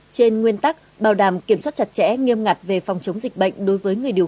trên nguyên tắc bảo đảm kiểm soát chặt chẽ nghiêm ngặt về phòng chống dịch bệnh đối với người điều